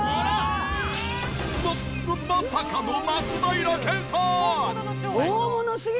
まままさかの松平健さん！